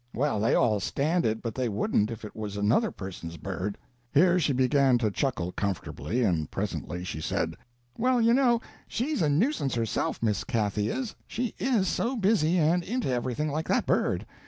Well, they all stand it, but they wouldn't if it was another person's bird." Here she began to chuckle comfortably, and presently she said: "Well, you know, she's a nuisance herself, Miss Cathy is, she is so busy, and into everything, like that bird.